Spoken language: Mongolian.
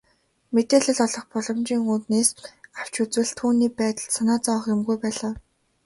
Мэдээлэл олох боломжийн үүднээс авч үзвэл түүний байдалд санаа зовох юмгүй байлаа.